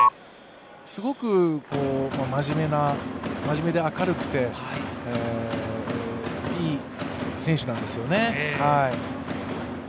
すごく真面目で明るくて、いい選手なんですよね。